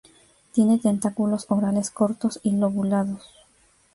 Tiene tentáculos orales cortos y lobulados.